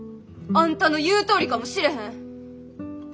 あんたの言うとおりかもしれへん。